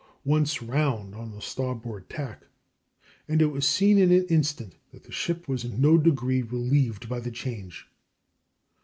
Once round on the starboard tack, and it was seen in an instant that the ship was in no degree relieved by the change.